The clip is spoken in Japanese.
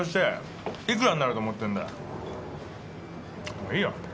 もういいよ。